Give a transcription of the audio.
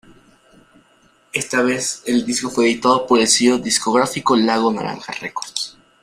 Esta vez el disco fue editado por el sello discográfico Lago Naranja Records.